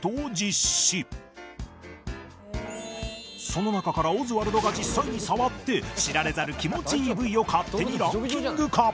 その中からオズワルドが実際に触って知られざる気持ちいい部位を勝手にランキング化